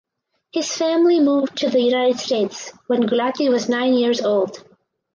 His family moved to the United States when Gulati was nine years old.